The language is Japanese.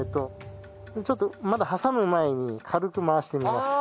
ちょっとまだ挟む前に軽く回してみます。